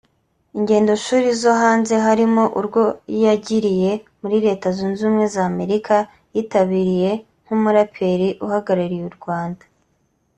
Ingendoshuri zo hanze harimo urwo yagiriye muri Leta Zunze Ubumwe z’Amerika yitabiriye nk’umuraperi uhagarariye u Rwanda